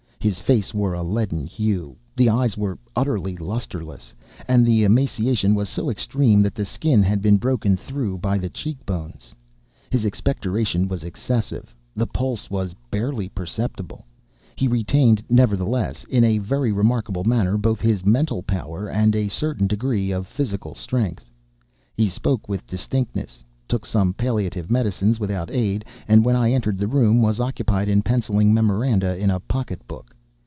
His face wore a leaden hue; the eyes were utterly lustreless; and the emaciation was so extreme that the skin had been broken through by the cheek bones. His expectoration was excessive. The pulse was barely perceptible. He retained, nevertheless, in a very remarkable manner, both his mental power and a certain degree of physical strength. He spoke with distinctness—took some palliative medicines without aid—and, when I entered the room, was occupied in penciling memoranda in a pocket book.